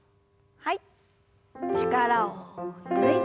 はい。